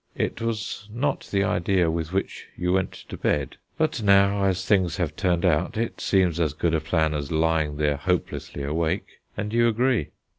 It was not the idea with which you went to bed, but now, as things have turned out, it seems as good a plan as lying there hopelessly awake; and you agree.